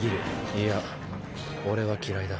いや俺は嫌いだ。